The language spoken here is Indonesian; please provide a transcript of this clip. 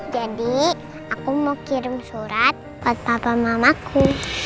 jadi aku mau kirim surat buat papa mamaku